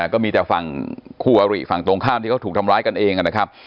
ก็มีแต่ฝั่งคู่อริฝั่งตรงข้ามที่เขาถูกทำร้ายกันเองนะครับ